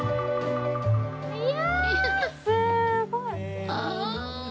いやすごい！ああ！